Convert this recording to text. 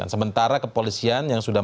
sementara kepolisian yang sudah